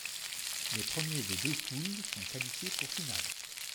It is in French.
Les premiers des deux poules sont qualifiés pour finale.